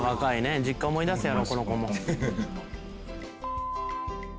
実家思い出すやろこの子も」